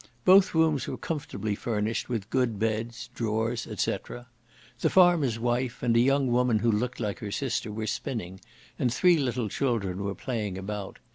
Both rooms were comfortably furnished with good beds, drawers, &c. The farmer's wife, and a young woman who looked like her sister, were spinning, and three little children were playing about.